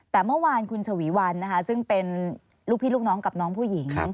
แต่เมื่อวานคุณฉวีวันนะคะซึ่งเป็นลูกพี่ลูกน้องกับน้องผู้หญิง